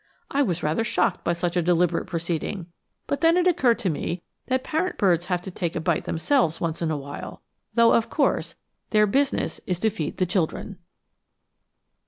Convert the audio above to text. I was rather shocked by such a deliberate proceeding, but then it occurred to me that parent birds have to take a bite themselves once in a while; though of course their business is to feed the children!"